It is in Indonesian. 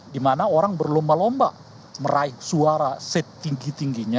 dimana orang berlomba lomba meraih suara setinggi tingginya